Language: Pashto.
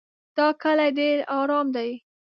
دا کلی ډېر ارام دی.